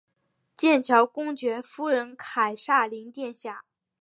剑桥公爵夫人凯萨琳殿下。